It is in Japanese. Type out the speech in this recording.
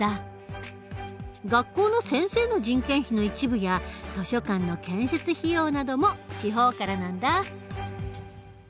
学校の先生の人件費の一部や図書館の建設費用なども地方からなんだ。